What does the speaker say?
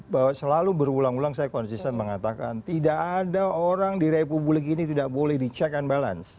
bahwa selalu berulang ulang saya konsisten mengatakan tidak ada orang di republik ini tidak boleh di check and balance